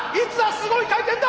すごい回転だ！